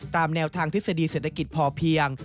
ตามแนวทางทฤษฎีเศรษฐกิจพอเพียง